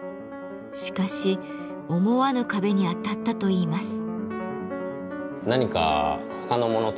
しかし思わぬ壁に当たったといいます。